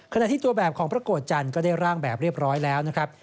ขณะที่ตัวแบบของพระโกรธจันทร์ก็ได้ร่างแบบเรียบร้อยแล้วนะครับ